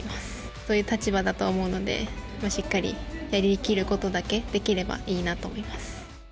そういう立場だと思うので、しっかり、やりきることだけできればいいなと思います。